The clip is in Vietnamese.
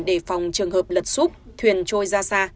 để phòng trường hợp lật súp thuyền trôi ra xa